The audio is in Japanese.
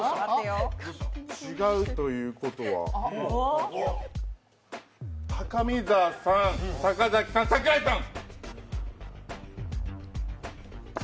違うということは高見沢さん、坂崎さん、桜井さん。